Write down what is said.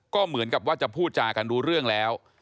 ก็เหมือนกับว่าจะพูดจากันรู้เรื่องแล้ว